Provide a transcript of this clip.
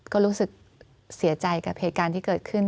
ก็รู้สึกเสียใจกับเหตุการณ์ที่เกิดขึ้น